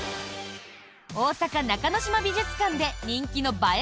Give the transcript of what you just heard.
大阪中之島美術館で人気の映え